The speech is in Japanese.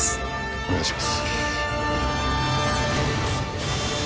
お願いします